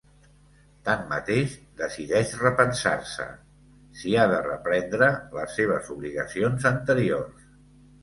Tanmateix, decideix repensar-se si ha de reprendre les seves obligacions anteriors.